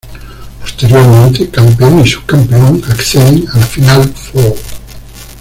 Posteriormente, campeón y subcampeón acceden a la Final Four